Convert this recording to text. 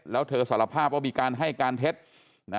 แล้วเธอสารภาพว่ามีการให้การเท็จ